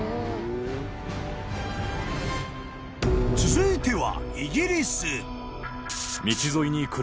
［続いては］